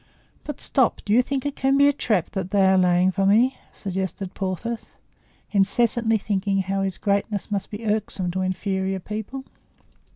"But, stop; do you think it can be a trap that they are laying for us?" suggested Porthos, incessantly thinking how his greatness must be irksome to inferior people.